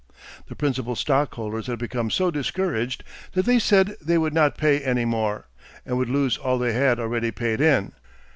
The principal stockholders had become so discouraged that they said they would not pay any more, and would lose all they had already paid in.